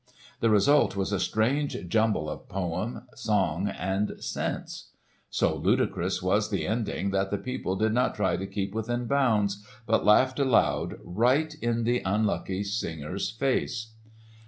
The result was a strange jumble of poem, song, and sense. So ludicrous was the ending that the people did not try to keep within bounds, but laughed aloud right in the unlucky singer's face.